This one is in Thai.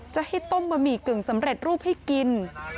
จะให้ต้มบะหมี่กึ่งสำเร็จรูปให้กิน